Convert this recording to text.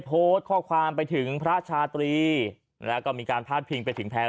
โพสต์ข้อความไปถึงพระชาตรีแล้วก็มีการพาดพิงไปถึงแพลว